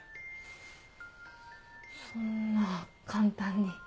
そんな簡単に。